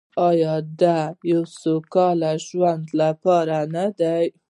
آیا د یو سوکاله ژوند لپاره نه ده؟